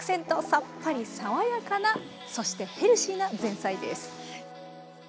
さっぱり爽やかなそしてヘルシーな前菜です。